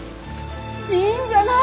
いいんじゃない？